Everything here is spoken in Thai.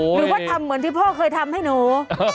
หรือว่าทำเหมือนที่พ่อเคยทำให้หนู